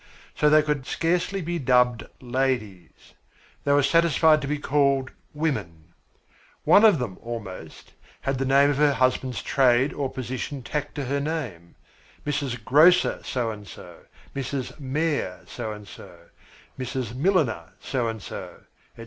So they could scarcely be dubbed "ladies." They were satisfied to be called "women." Each one of them, almost, had the name of her husband's trade or position tacked to her name Mrs. Grocer so and so, Mrs. Mayor so and so, Mrs. Milliner so and so, etc.